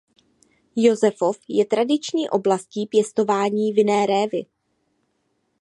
Josefov je tradiční oblastí pěstování vinné révy.